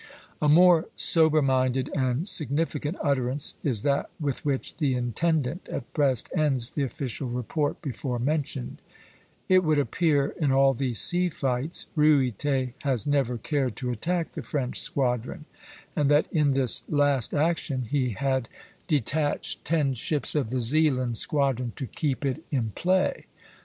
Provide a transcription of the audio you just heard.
A more sober minded and significant utterance is that with which the intendant at Brest ends the official report before mentioned: "It would appear in all these sea fights Ruyter has never cared to attack the French squadron, and that in this last action he had detached ten ships of the Zealand squadron to keep it in play."